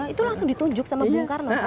itu langsung ditunjuk sama bung karno